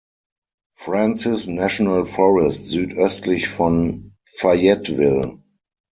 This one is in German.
Francis National Forest südöstlich von Fayetteville.